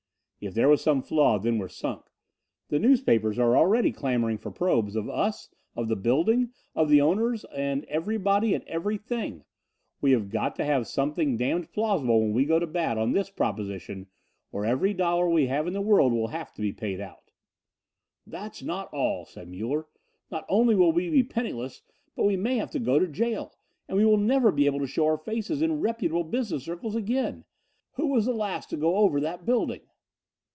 "If there was some flaw, then we're sunk. The newspapers are already clamoring for probes, of us, of the building, of the owners and everybody and everything. We have got to have something damned plausible when we go to bat on this proposition or every dollar we have in the world will have to be paid out." "That is not all," said Muller: "not only will we be penniless, but we may have to go to jail and we will never be able to show our faces in reputable business circles again. Who was the last to go over that building?"